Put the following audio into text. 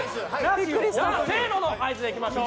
せーのの合図でいきましょう。